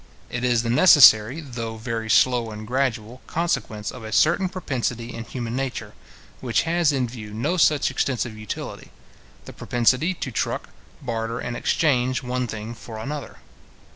It is the necessary, though very slow and gradual, consequence of a certain propensity in human nature, which has in view no such extensive utility; the propensity to truck, barter, and exchange one thing for another.